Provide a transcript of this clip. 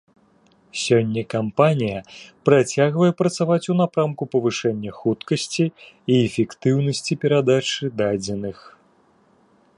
Сёння кампанія працягвае працаваць у напрамку павышэння хуткасці і эфектыўнасці перадачы дадзеных.